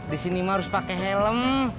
di sini ma harus pake helm